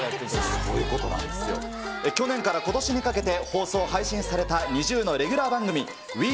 去年からことしにかけて、放送配信されたＮｉｚｉＵのレギュラー番組、ＷｅＮｉｚｉＵ！